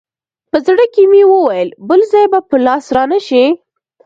په زړه کښې مې وويل بل ځاى به په لاس را نه سې.